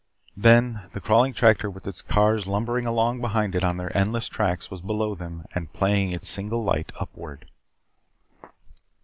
Then the crawling tractor with its cars lumbering along behind it on their endless tracks was below them and playing its single light upward.